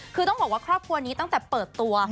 คือต้องบอกว่าครอบครัวนี้ตั้งแต่เปิดตัว